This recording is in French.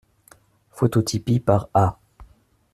Phototypie par A.